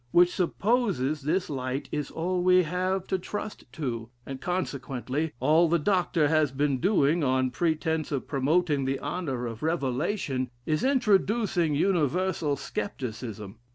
which supposes this light is all we have to trust to; and consequently, all the Dr. has been doing, on pretence of promoting the honor of revelation, is introducing universal scepticism.